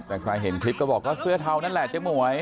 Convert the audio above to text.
แต่ใครเห็นคลิปก็บอกว่าเสื้อเทานั่นแหละเจ๊หมวย